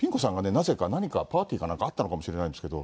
なぜか何かパーティーかなんかあったのかもしれないんですけど